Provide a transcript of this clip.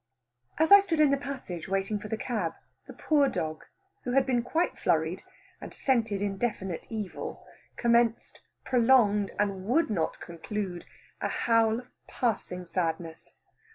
As I stood in the passage waiting for the cab, the poor dog, who had been quite flurried, and scented indefinite evil, commenced, prolonged, and would not conclude a howl of passing sadness.